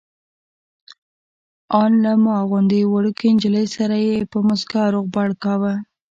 ان له ما غوندې وړوکې نجلۍ سره یې په موسکا روغبړ کاوه.